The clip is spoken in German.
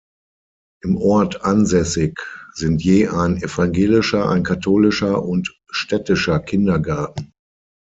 Im Ort ansässig sind je ein evangelischer, ein katholischer und städtischer Kindergarten.